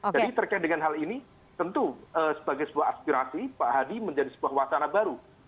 jadi terkait dengan hal ini tentu sebagai sebuah aspirasi pak hadi menjadi sebuah wadana baru